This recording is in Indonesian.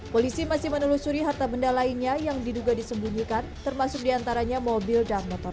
polisi masih menelusuri harta benda lainnya yang diduga disembunyikan termasuk diantaranya mobil dan motor